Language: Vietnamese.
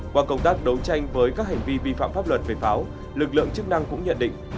qua công tác đấu tranh với các hành vi vi phạm pháp luật về pháo lực lượng chức năng cũng nhận định